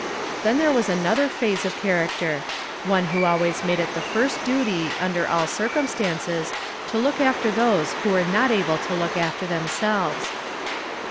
Then there was another phase of character one who always made it the first duty, under all circumstances, to look after those who were not able to look after themselves.